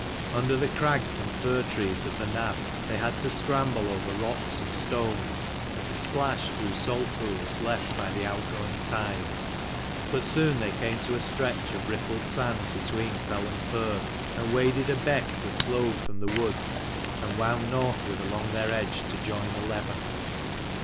Under the crags and fir trees of the nab they had to scramble over rocks and stones, and to splash through salt pools left by the outgoing tide : but soon they came to a stretch of rippled sand between fell and firth, and waded a beck that flowed from the woods and wound northward along their edge to join the Leven.